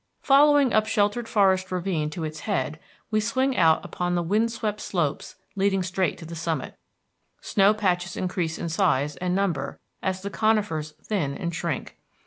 Following up some sheltered forested ravine to its head, we swing out upon the wind swept slopes leading straight to the summit. Snow patches increase in size and number as the conifers thin and shrink.